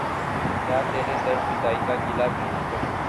یا ترے درد جدائی کا گلا پیش کروں